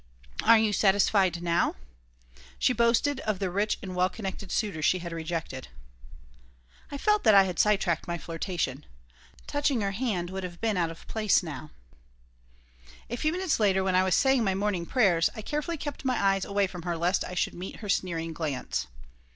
Are you satisfied now?" She boasted of the rich and well connected suitors she had rejected I felt that I had side tracked my flirtation. Touching her hand would have been out of place now A few minutes later, when I was saying my morning prayers, I carefully kept my eyes away from her lest I should meet her sneering glance.